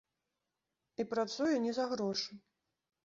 І працуе не за грошы.